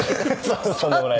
とんでもないです。